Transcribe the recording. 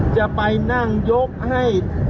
จะไปนั่งยกให้